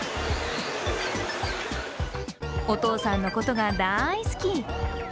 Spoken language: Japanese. お父さんのことが大好き。